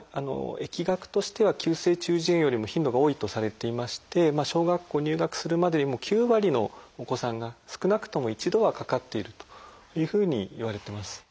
疫学としては急性中耳炎よりも頻度が多いとされていまして小学校入学するまでに９割のお子さんが少なくとも一度はかかっているというふうにいわれてます。